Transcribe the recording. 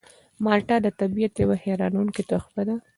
مالټه د طبیعت یوه حیرانوونکې تحفه ده.